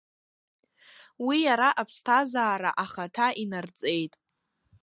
Уи иара аԥсҭазаара ахаҭа инарҵеит.